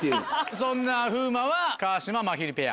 そんな風磨は川島・まひるペア。